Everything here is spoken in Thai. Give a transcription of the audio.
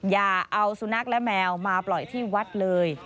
อย่าเอาสุนัขและแมวมาปล่อยที่วัดเลย